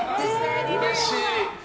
うれしい。